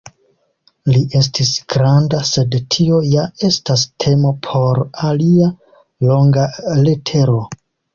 Li estis granda, sed tio ja estas temo por alia, longa letero.